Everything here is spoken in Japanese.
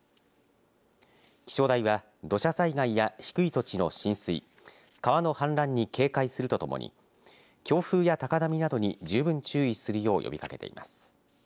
気象台は土砂災害や低い土地の浸水、川の氾濫に警戒するとともに、強風や高波などに十分注意するよう呼びかけています。